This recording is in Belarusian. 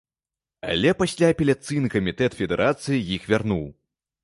Але пасля апеляцыйны камітэт федэрацыі іх вярнуў.